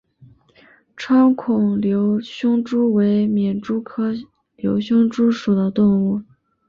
穿孔瘤胸蛛为皿蛛科瘤胸蛛属的动物。